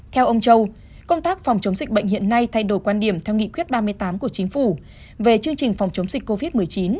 theo ông châu công tác phòng chống dịch bệnh hiện nay thay đổi quan điểm theo nghị quyết ba mươi tám của chính phủ về chương trình phòng chống dịch covid một mươi chín